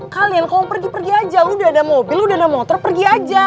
kalian kalau pergi pergi aja lu udah ada mobil lo udah ada motor pergi aja